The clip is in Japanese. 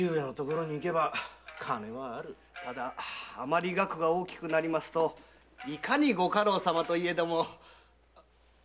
ただあまり額が大きくなりますといかにご家老様と言えども。